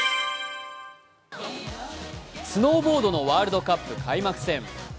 スノーボードのワールドカップ開幕戦。